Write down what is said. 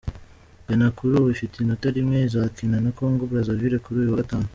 Ghana, kuri ubu ifite inota rimwe, izakina na Congo Brazzaville kuri uyu wa gatanu.